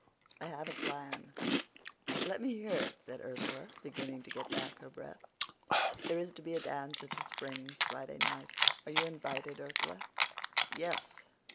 I have a plan.' "'Let me hear it,' said Ursula, beginning to get back her breath. "'There is to be a dance at The Springs Friday night. Are you invited, Ursula?' "'Yes.